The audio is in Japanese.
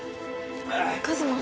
和真